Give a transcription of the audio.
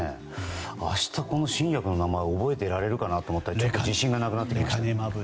明日この新薬の名前を覚えていられるかなと思ったらちょっと自信がなくなってきました。